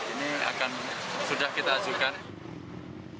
ini akan sudah kita ajukan